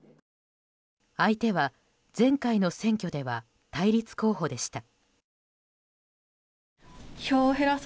相手は前回の選挙では対立候補でした。